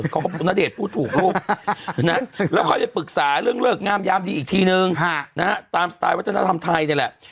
ของคุณณเดชน์พูดถูกลูกแล้วค่อยไปปรึกษาเรื่องเลิกงามยามดีอีกทีนึงตามสไตล์วัฒนธรรมไทยนี่แหละ